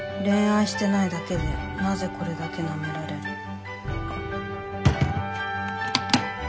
恋愛してないだけでなぜこれだけ舐められる」。